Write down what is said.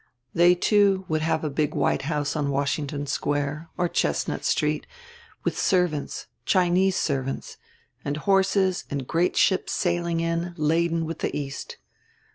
They, too, would have a big white house on Washington Square or Chestnut Street, with servants Chinese servants and horses and great ships sailing in, laden with the East.